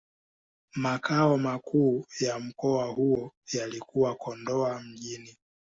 Makao makuu ya mkoa huo yalikuwa Kondoa Mjini.